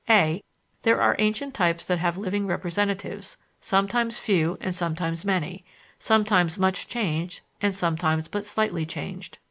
(a) There are ancient types that have living representatives, sometimes few and sometimes many, sometimes much changed and sometimes but slightly changed.